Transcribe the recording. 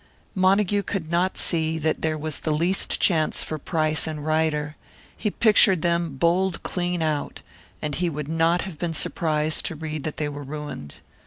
Montague could not see that there was the least chance for Price and Ryder; he pictured them bowled clean out, and he would not have been surprised to read that they were ruined.